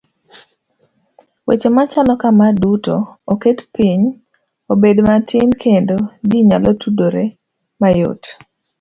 Weche machalo kama duto oketo piny obedo matin kendo ji nyalo tudore mayot.